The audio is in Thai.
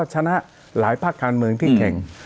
หลายแผ่นฯค่านเมืองที่แข่ง